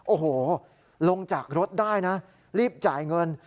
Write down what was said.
โอ้โหลงจากรถได้นะรีบจ่ายเงิน